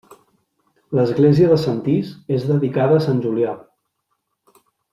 L'església de Sentís és dedicada a sant Julià.